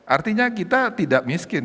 artinya kita tidak miskin